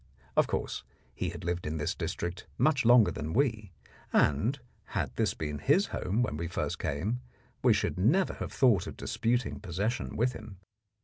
Of course he had lived in this district much longer than we, and, had this been his home when we first came, we should never have thought of disputing possession with him.